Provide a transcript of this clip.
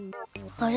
あれ？